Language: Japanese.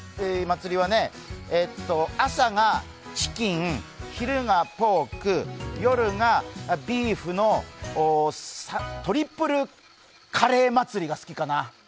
朝がチキン昼がポーク、夜がビーフのトリプルカレー祭りが好きかな。